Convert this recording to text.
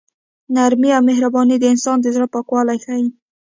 نرمي او مهرباني د انسان د زړه پاکوالی ښيي.